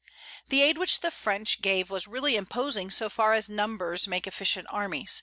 The aid which the French gave was really imposing, so far as numbers make efficient armies.